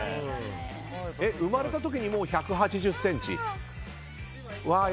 生まれた時にもう１８０ｃｍ。